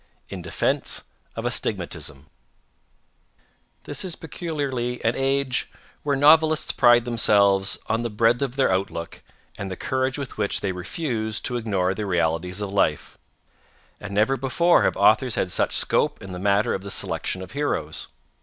IN DEFENSE OF ASTIGMATISM This is peculiarly an age where novelists pride themselves on the breadth of their outlook and the courage with which they refuse to ignore the realities of life; and never before have authors had such scope in the matter of the selection of heroes.